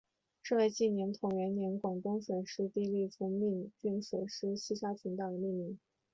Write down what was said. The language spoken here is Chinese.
是为纪念宣统元年广东水师提督李准奉命率水师巡视西沙群岛而命名。